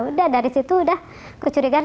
udah dari situ udah kecurigaan